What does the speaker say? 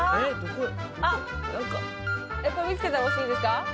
これ見つけたら押していいですか？